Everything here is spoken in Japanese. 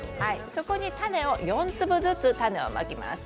そこに４粒ずつ種をまきます。